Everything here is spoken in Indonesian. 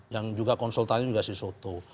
yang juga konsultasi juga si soto